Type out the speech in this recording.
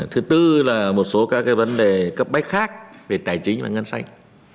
thứ tư là một số các vấn đề cấp bách khác về tài chính và ngân sách